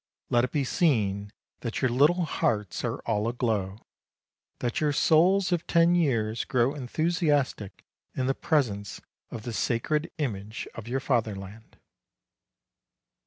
Let it be seen that your little hearts are all aglow, that your souls of ten years grow enthusiastic in the presence of the sacred image of your fatherland."